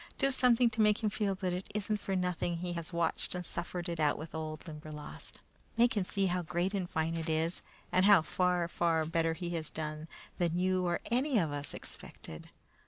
Do something to make him feel that it isn't for nothing he has watched and suffered it out with that old Limberlost. Make him see how great and fine it is, and how far, far better he has done than you or any of us expected!